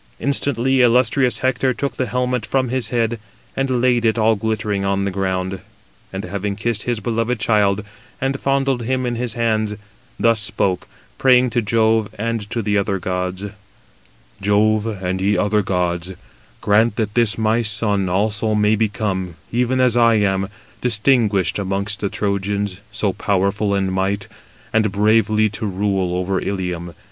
Instantly illustrious Hector took the helmet from his head, and laid it all glittering on the ground; and having kissed his beloved child, and fondled him in his hands, thus spoke, praying to Jove and to the other gods: "Jove, and ye other gods, grant that this my son also may become, even as I am, distinguished amongst the Trojans, so powerful in might, and bravely to rule over Ilium.